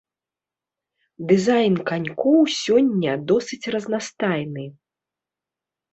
Дызайн канькоў сёння досыць разнастайны.